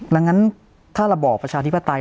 แล้วงั้นถ้าเราบอกประชาธิปไตร